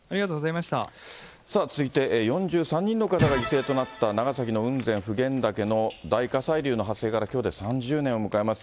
さあ続いて、４３人の方が犠牲となった長崎の雲仙・普賢岳の大火砕流の発生から、きょうで３０年を迎えます。